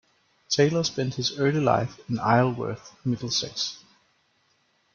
Taylor spent his early life in Isleworth, Middlesex.